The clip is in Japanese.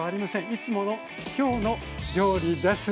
いつもの「きょうの料理」です。